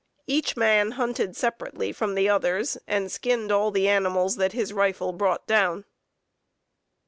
Each man hunted separately from the others, and skinned all the animals that his rifle brought down.